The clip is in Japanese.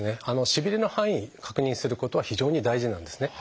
しびれの範囲確認することは非常に大事なんですね。